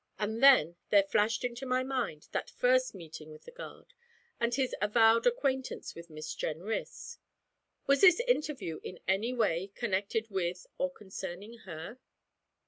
And then there flashed into my mind that first meeting with the guard, and his avowed acquaintance with Miss Jenrys. Was this interview in any way connected with or concerning her?